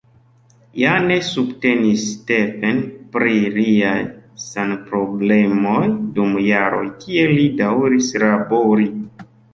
Jane subtenis Stephen pri liaj sanproblemoj dum jaroj kiel li daŭris labori.